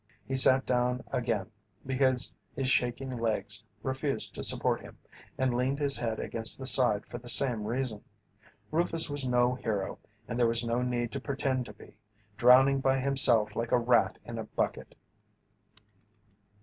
He sat down again because his shaking legs refused to support him, and leaned his head against the side for the same reason. Rufus was no hero and there was no need to pretend to be, drowning by himself like a rat in a bucket.